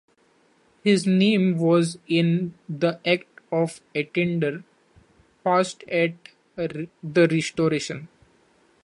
His name was in the Act of Attainder passed at the Restoration.